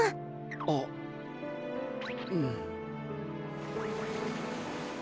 あっうん。